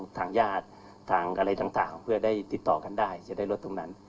ทางญาติทางอะไรต่างเพื่อได้ติดต่อกันได้จะได้รถตรงนั้น